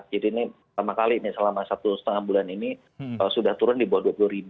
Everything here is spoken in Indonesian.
jadi ini pertama kali selama satu setengah bulan ini sudah turun di bawah dua puluh